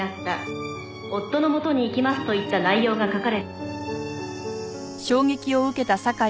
“夫の元に行きます”といった内容が書かれ」